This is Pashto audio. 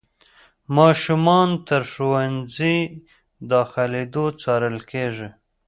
ماشومان تر ښوونځي داخلېدو څارل کېږي.